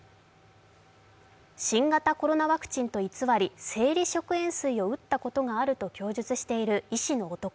新型コロナワクチンと偽り生理食塩水を打ったことがあると供述している医師の男。